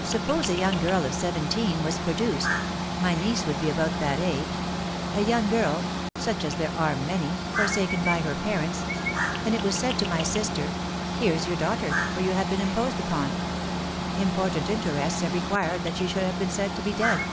Suppose a young girl of seventeen was produced (my niece would be about that age), a young girl (such as there are many) forsaken by her parents, and it was said to my sister, 'Here's your daughter, for you have been imposed upon. Important interests have required that she should have been said to be dead.